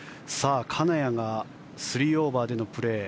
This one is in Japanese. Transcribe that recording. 金谷が３オーバーでのプレー。